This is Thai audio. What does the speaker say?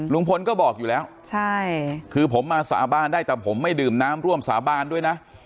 ลุงพลก็บอกอยู่แล้วใช่คือผมมาสาบานได้แต่ผมไม่ดื่มน้ำร่วมสาบานด้วยนะ